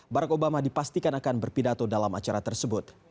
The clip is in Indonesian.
barack obama dipastikan akan berpidato dalam acara tersebut